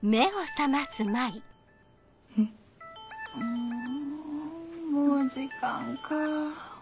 んもう時間か。